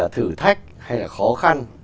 thử thách hay là khó khăn